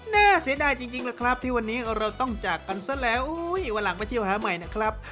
น่าเสียดายจริงล่ะครับที่วันนี้เราต้องจากกันซะแล้ววันหลังไปเที่ยวหาใหม่นะครับ